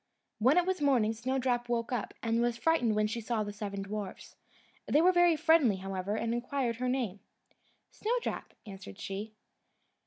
When it was morning, Snowdrop woke up, and was frightened when she saw the seven dwarfs. They were very friendly, however, and inquired her name. "Snowdrop," answered she.